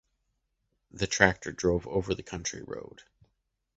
The tractor drove over the country road.